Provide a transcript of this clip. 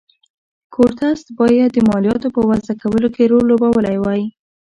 کورتس باید د مالیاتو په وضعه کولو کې رول لوبولی وای.